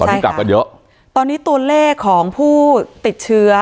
ที่กลับกันเยอะตอนนี้ตัวเลขของผู้ติดเชื้อ